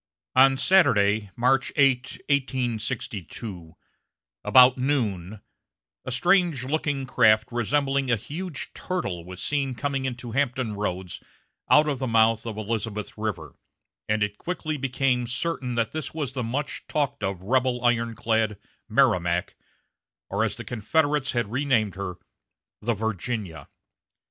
On Saturday, March 8, 1862, about noon, a strange looking craft resembling a huge turtle was seen coming into Hampton Roads out of the mouth of Elizabeth River, and it quickly became certain that this was the much talked of rebel ironclad Merrimac, or, as the Confederates had renamed her, the Virginia.